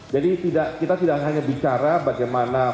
jadi kita tidak hanya bicara bagaimana memperbaiki